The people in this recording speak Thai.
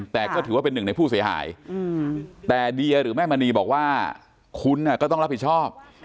แต่ก็ถือว่าเป็นหนึ่งในผู้เสียหายแต่เดียหรือแม่มณีบอกว่าคุณก็ต้องรับผิดชอบ